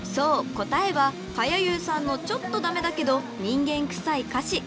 答えはかやゆーさんのちょっと駄目だけど人間くさい歌詞］